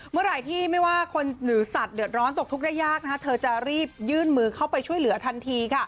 เมื่อไหร่ที่ไม่ว่าคนหรือสัตว์เดือดร้อนตกทุกข์ได้ยากเธอจะรีบยื่นมือเข้าไปช่วยเหลือทันที